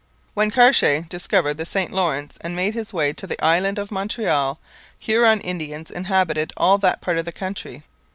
When Cartier discovered the St Lawrence and made his way to the island of Montreal, Huron Indians inhabited all that part of the country.